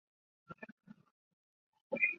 螃蟹吃到饱